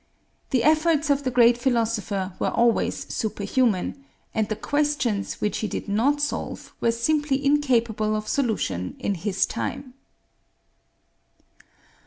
The efforts of the great philosopher were always superhuman, and the questions which he did not solve were simply incapable of solution in his time.